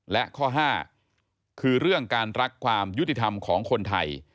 และข้อ๕คือเรื่องการรักความยุติธรรมของคนไทย